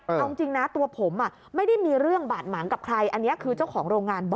เอาจริงนะตัวผมไม่ได้มีเรื่องบาดหมางกับใครอันนี้คือเจ้าของโรงงานบอก